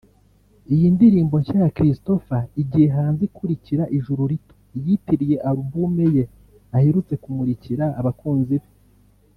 Iyi ndirimbo nshya ya Christopher igiye hanze ikurikira ‘Ijuru rito’ yitiriye Albume ye aherutse kumurikira abakunzi be